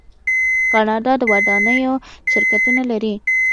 کاناډا د ودانیو شرکتونه لري.